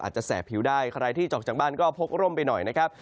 แสบผิวได้ใครที่ออกจากบ้านก็พกร่มไปหน่อยนะครับ